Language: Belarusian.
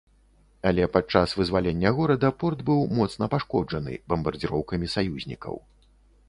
Але пад час вызвалення горада, порт быў моцна пашкоджаны бамбардзіроўкамі саюзнікаў.